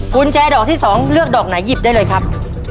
กุญแจดอกที่๒เลือกดอกไหนหยิบได้เลยครับ